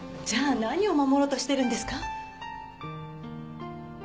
じゃあ何を守ろうとしてるんですか？